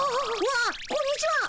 わっこんにちは。